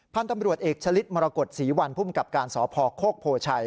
พันธ์ตำรวจเอกชลิศมรกฏศรีวัลผู้มกับการสอบภอกโคกโพชัย